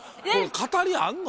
語りあんの？